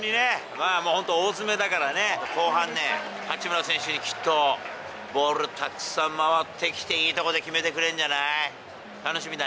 まあ本当、大詰めだからね、後半ね、八村選手にきっと、ボールたくさん回ってきて、いいところで決めてくれんじゃない？